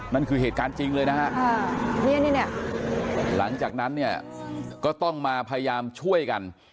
นั่นคือเหตุการณ์จริงเลยนะฮะหลังจากนั้นเนี่ยก็ต้องมาพยายามช่วยกัน